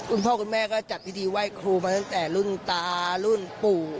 คุณพ่อคุณแม่ก็จัดพิธีไหว้ครูมาตั้งแต่รุ่นตารุ่นปู่